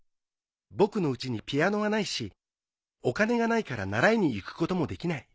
僕のうちにピアノはないしお金がないから習いに行くこともできない。